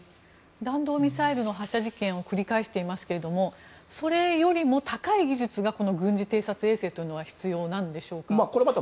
弾道ミサイルの発射実験を繰り返していますけれどもそれよりも高い技術が軍事偵察衛星というのは必要なんでしょうか。